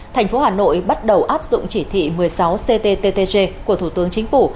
thành phố hà nội bắt đầu áp dụng chỉ thị một mươi sáu cttg của thủ tướng chính phủ